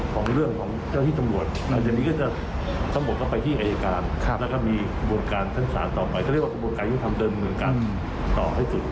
เขาเรียกว่าขบวนการยุทธรรมเดิมเมืองกันต่อให้สุด